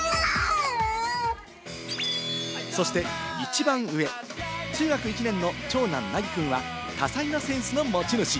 そして一番上、中学１年の長男・なぎ君は多彩なセンスの持ち主。